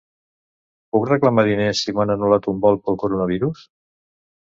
Puc reclamar diners si m’han anul·lat un vol pel coronavirus?